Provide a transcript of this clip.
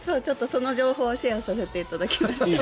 その情報をシェアさせていただきました。